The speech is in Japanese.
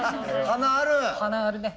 華あるね。